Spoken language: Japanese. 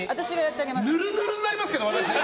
ぬるぬるになりますけど。